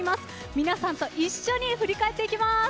皆さんと一緒に振り返っていきます。